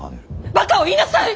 ばかを言いなさい！